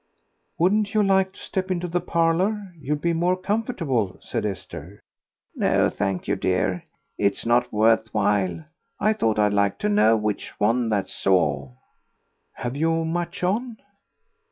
"Wouldn't you like to step into the parlour; you'll be more comfortable?" said Esther. "No thank you, dear; it is not worth while. I thought I'd like to know which won, that's all." "Have you much on?"